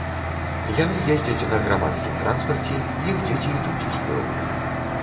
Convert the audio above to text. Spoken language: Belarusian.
Яны ездзяць на грамадскім транспарце, іх дзеці ідуць у школу.